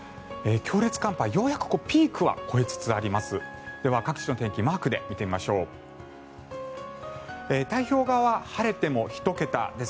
強烈寒波、ようやくピークは越えつつあります。